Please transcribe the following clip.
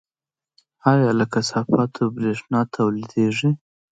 آیا له کثافاتو بریښنا تولیدیږي؟